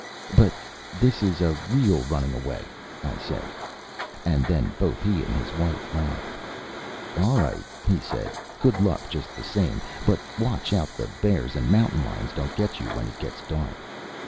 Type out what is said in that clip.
"But this is a real running away," I said. And then both he and his wife laughed. "All right," he said. "Good luck just the same. But watch out the bears and mountain lions don't get you when it gets dark."